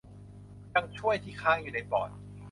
ยังช่วย ที่ค้างอยู่ในปอด